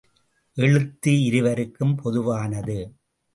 எழுத்து இருவருக்கும் பொதுவானது.